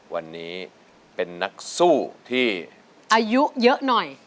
วันนี้เป็นนักสู้ที่อายุเยอะหน่อย